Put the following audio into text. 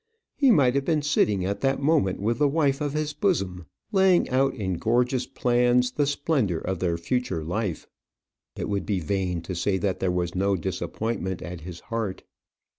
He might have been sitting at that moment with the wife of his bosom, laying out in gorgeous plans the splendour of their future life. It would be vain to say that there was no disappointment at his heart.